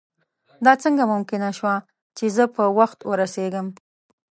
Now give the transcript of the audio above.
دا څنګه ممکنه شوه چې زه په وخت ورسېږم.